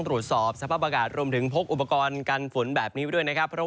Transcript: ตรวจสอบสภาพอากาศรวมถึงพกอุปกรณ์กันฝนแบบนี้ด้วยนะครับ